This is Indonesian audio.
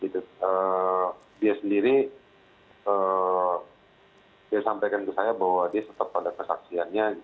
dia sendiri dia sampaikan ke saya bahwa dia tetap pada kesaksiannya